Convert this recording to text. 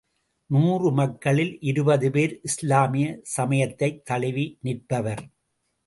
நூறு மக்களில் இருபது பேர் இஸ்லாமிய சமயத்தைத் தழுவி நிற்பவர்.